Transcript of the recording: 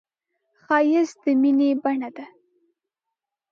ښایست د مینې بڼه ده